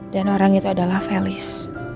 dan orang itu adalah velis